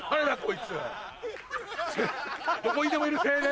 どこにでもいる青年。